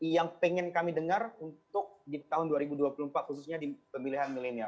yang pengen kami dengar untuk di tahun dua ribu dua puluh empat khususnya di pemilihan milenial